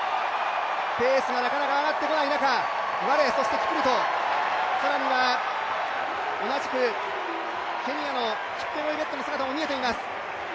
ペースもなかなか上がっていない中、ワレ、キプルト、更には同じくケニアのキプケモイ・ベットの姿も見えています。